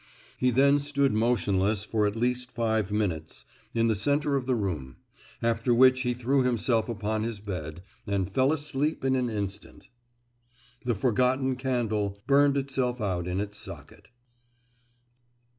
He then stood motionless for at least five minutes, in the centre of the room; after which he threw himself upon his bed, and fell asleep in an instant. The forgotten candle burned itself out in its socket.